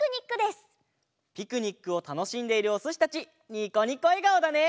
ピクニックをたのしんでいるおすしたちニコニコえがおだね！